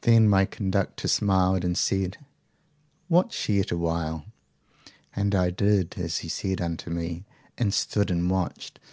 "'Then my conductor smiled, and said, Watch yet a while. "'And I did as he said unto me, and stood and watched.